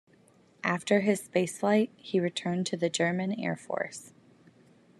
After his spaceflight, he returned to the German Air Force.